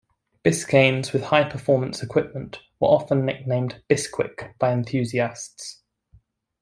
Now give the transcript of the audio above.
Biscaynes with high-performance equipment were often nicknamed "Bisquick" by enthusiasts.